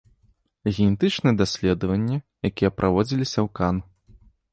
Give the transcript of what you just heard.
Генетычныя даследаванні, якія праводзіліся ў кан.